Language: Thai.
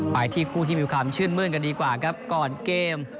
ไปที่คู่ที่มีความชื่นมื้นกันดีกว่าครับก่อนเกม